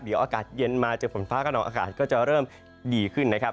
เดี๋ยวอากาศเย็นมาเจอฝนฟ้ากระนองอากาศก็จะเริ่มดีขึ้นนะครับ